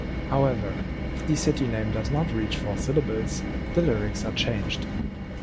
However, if the city name does not reach four syllables, the lyrics are changed.